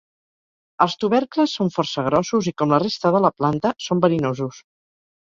Els tubercles són força grossos i com la resta de la planta són verinosos.